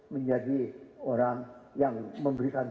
menjadi orang yang memberikan